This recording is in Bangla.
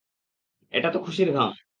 এটাতো খুশির ঘাম।